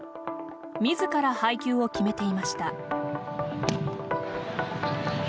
自ら配球を決めていました。